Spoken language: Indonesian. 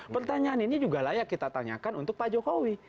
pertanyaan ini juga layak kita tanyakan untuk pak jokowi